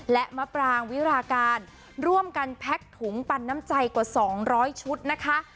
และมะปรางวิราการร่วมกันแพ็กถุงปันน้ำใจกว่า๒๐๐ชุดนะคะ